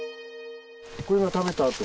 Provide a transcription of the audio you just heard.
これが食べた跡。